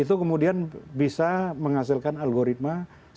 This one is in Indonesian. itu kemudian bisa menghasilkan algoritma yang berbeda